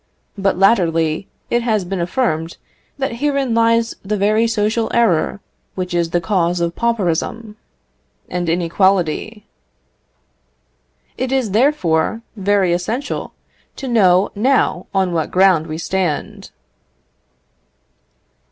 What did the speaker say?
But latterly it has been affirmed, that herein lies the very social error which is the cause of pauperism and inequality. It is, therefore, very essential to know now on what ground we stand.